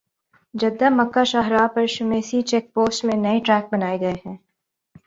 Jeddah Mecca شاہراہ پر Shumaisi check post میں نئے ٹریک بنائے گئے ہیں